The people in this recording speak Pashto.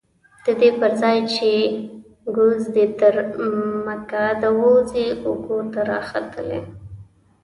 ددې پرځای چې ګوز دې تر مکعده ووځي اوږو ته راختلی.